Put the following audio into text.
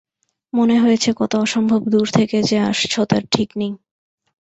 মনে হয়েছে, কত অসম্ভব দূর থেকে যে আসছ তার ঠিক নেই।